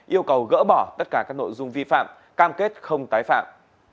yêu cầu gỡ bỏ tất cả các nội dung vi phạm cam kết không tái phạm